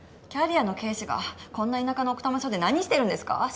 キャリアの警視がこんな田舎の奥多摩署で何してるんですか？